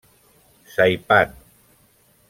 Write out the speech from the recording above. Saipan.